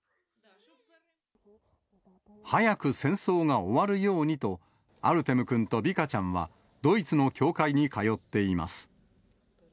早く戦争が終わるようにと、アルテム君とヴィカちゃんはドイツの教会に通っています。